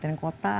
ke bupaten kota